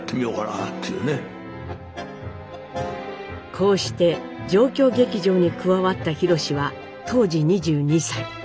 こうして状況劇場に加わった宏は当時２２歳。